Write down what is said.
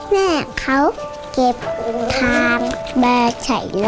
แม่เขาเก็บอุงทางแบบใส่รถจะเอาไปขาย